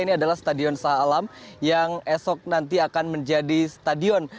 ini adalah stadion saha alam yang esok nanti akan menjadi stadion